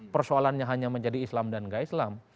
persoalannya hanya menjadi islam dan nggak islam